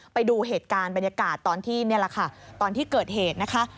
ไปดูเหตุการณ์บรรยากาศตอนที่นี่แหละค่ะตอนที่เกิดเหตุนะคะ